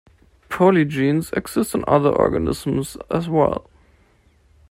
Polygenes exist in other organisms, as well.